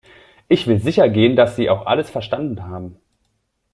Ich will sicher gehen, dass Sie auch alles verstanden haben.